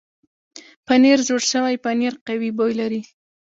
پنېر زوړ شوی پنېر قوي بوی لري.